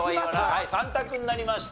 はい３択になりました。